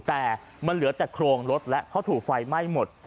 แต่มันเหลือแต่โครงรถแล้วเพราะถูกไฟไหม้หมด